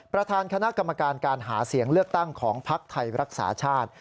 ประธานคณะกรรมการการหาเสียงเลือกตั้งของภักดิ์ไทยรักษาชาติ